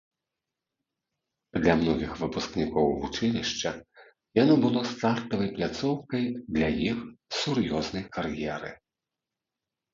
Для многіх выпускнікоў вучылішча яно было стартавай пляцоўкай для іх сур'ёзнай кар'еры.